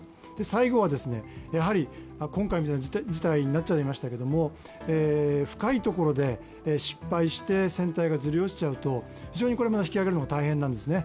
最後は、今回みたいな事態になっちゃいましたけど、深いところで失敗して船体がずり落ちちゃうと非常に引き揚げるのが大変なんですね。